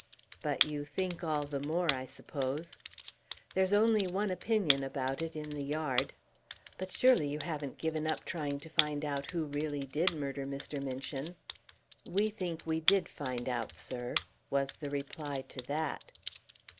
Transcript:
"But you think all the more, I suppose?" "There's only one opinion about it in the Yard." "But surely you haven't given up trying to find out who really did murder Mr. Minchin?" "We think we did find out, sir," was the reply to that.